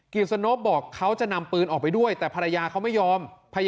กิจสนบบอกเขาจะนำปืนออกไปด้วยแต่ภรรยาเขาไม่ยอม